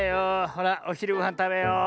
ほらおひるごはんたべよう。